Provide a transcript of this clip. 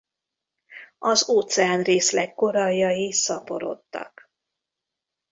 Az óceán-részleg koralljai szaporodtak.